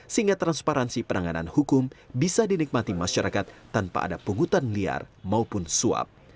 sehingga transparansi penanganan hukum bisa dinikmati masyarakat tanpa ada pungutan liar maupun suap